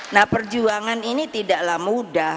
nah perjuangan ini tidaklah mudah